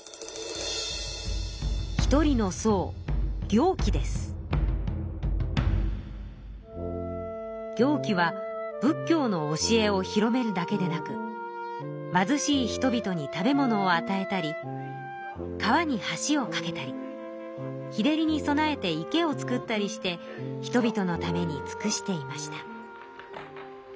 １人のそう行基は仏教の教えを広めるだけでなく貧しい人々に食べ物をあたえたり川に橋をかけたり日照りに備えて池を造ったりして人々のためにつくしていました。